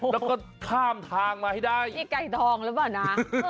แล้วก็ข้ามทางมาให้ได้นี่ไก่ทองหรือเปล่านะ